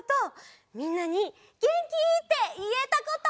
みんなに「げんき？」っていえたこと！